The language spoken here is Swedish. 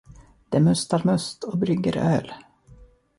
De mustar must och brygger öl.